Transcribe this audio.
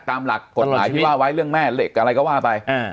ตามหลักกฎหมายที่ว่าไว้เรื่องแม่เหล็กอะไรก็ว่าไป